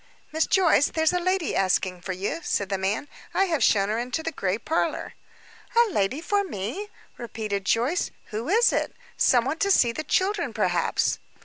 "Miss Joyce, there's a lady asking for you," said the man. "I have shown her into the gray parlor." "A lady for me?" repeated Joyce. "Who is it? Some one to see the children, perhaps."